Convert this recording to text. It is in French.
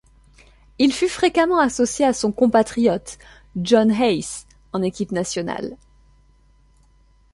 Il fut fréquemment associé à son compatriote John Hayes en équipe nationale.